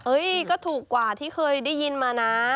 ก็ถูกกว่าที่เคยได้ยินมานะ